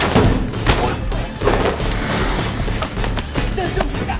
大丈夫ですか？